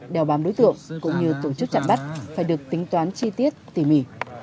đeo bám đối tượng cũng như tổ chức chặn bắt phải được tính toán chi tiết tỉ mỉ